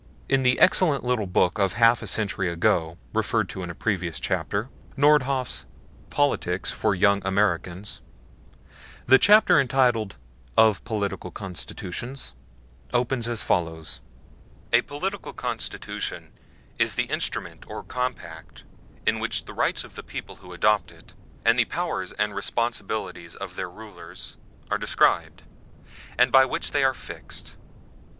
In the excellent little book of half a century ago referred to in a previous chapter, Nordhoff's "Politics for Young Americans," the chapter entitled "Of Political Constitutions" opens as follows: A political Constitution is the instrument or compact in which the rights of the people who adopt it, and the powers and responsibilities of their rulers, are described, and by which they are fixed.